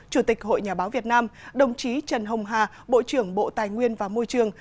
chủ tịch hội nhà báo việt nam đồng chí trần hồng hà bộ trưởng bộ tài nguyên và môi trường